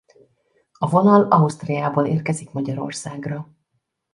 A vonal Ausztriából érkezik Magyarországra.